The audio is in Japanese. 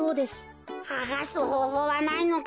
はがすほうほうはないのか？